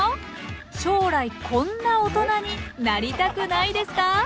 将来こんなおとなになりたくないですか？